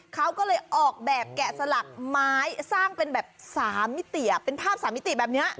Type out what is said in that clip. เขาก็เลยออกแบบแกะสลักไม้สร้างเป็นแบบ๓มิติเป็นภาพ๓มิติแบบนี้